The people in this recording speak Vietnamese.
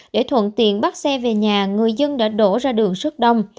để thuận tiện bắt xe về nhà người dân đã đổ ra đường rất đông